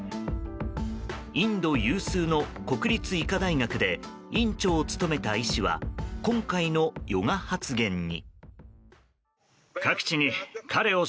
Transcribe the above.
インド有数の国立医科大学で院長を務めた医師は今回のヨガ発言に。